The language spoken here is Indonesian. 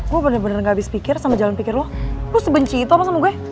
gue bener bener gak habis pikir sama jalan pikir lo sebenci itu apa sama gue